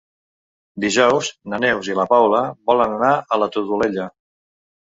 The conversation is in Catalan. Dijous na Neus i na Paula volen anar a la Todolella.